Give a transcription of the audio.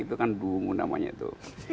itu kan bungu namanya itu